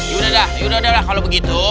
yaudah dah yaudah dah lah kalau begitu